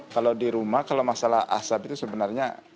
kalau di rumah kalau masalah asap itu sebenarnya